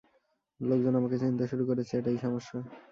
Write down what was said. লোকজন আমাকে চিনতে শুরু করেছে এটাই সমস্যা।